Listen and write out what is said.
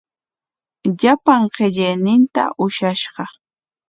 Llapan qillayninta ushashqa.